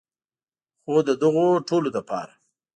خو د دغو ټولو لپاره.